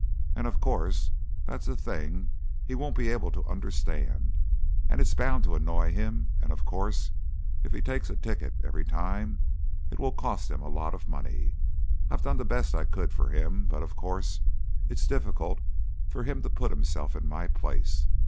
And of course, that's a thing he won't be able to understand, and it's bound to annoy him; and, of course, if he takes a ticket every time it will cost him a lot of money. I done the best I could for him, but of course it's difficult for him to put himself in my place.